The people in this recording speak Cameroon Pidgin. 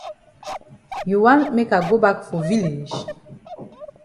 You wan make I go bak for village?